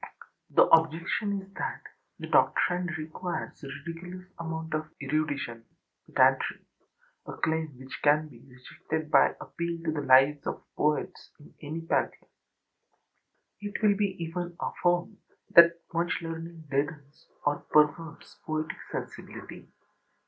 The objection is that the doctrine requires a ridiculous amount of erudition (pedantry), a claim which can be rejected by appeal to the lives of poets in any pantheon. It will even be affirmed that much learning deadens or perverts poetic sensibility.